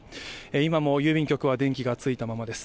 今も郵便局は電気がついたままです。